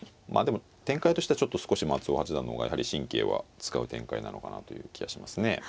まあでも展開としてはちょっと少し松尾八段の方がやはり神経は使う展開なのかなという気はしますね。